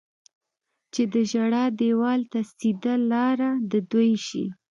چې د ژړا دېوال ته سیده لاره د دوی شي.